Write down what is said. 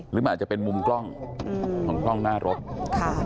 หรือมันอาจจะเป็นมุมกล้องของกล้องหน้ารถค่ะ